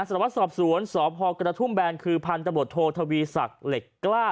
สำหรับว่าสอบสวนสอบฮอกระทุ่มแบนคือพันธบทโททวีสักเหล็กกล้า